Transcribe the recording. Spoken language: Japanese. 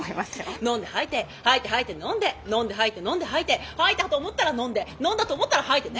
飲んで吐いて吐いて吐いて飲んで飲んで吐いて飲んで吐いて吐いたと思ったら飲んで飲んだと思ったら吐いてね